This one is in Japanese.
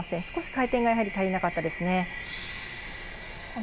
少し回転が足りなかったですね。